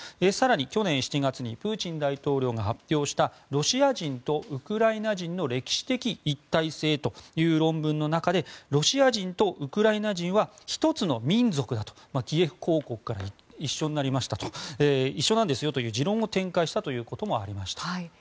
更に、去年７月にプーチン大統領が発表した「ロシア人とウクライナ人の歴史的一体性」という論文の中でロシア人とウクライナ人は１つの民族だとキエフ公国から一緒になりましたと一緒なんですよという持論を展開したこともありました。